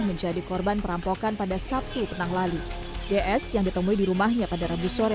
menjadi korban perampokan pada sabtu petang lalu ds yang ditemui di rumahnya pada rabu sore